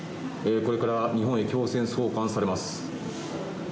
これから日本へ強制送還されます。